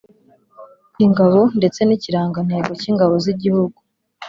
Ingabo ndetse n’ikirangantego cy’Ingabo z’igihugu